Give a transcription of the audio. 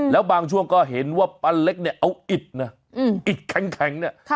แล้วบางช่วงก็เห็นว่าป้าเล็กเนี่ยเอาอิดนะอิดแข็งเนี่ย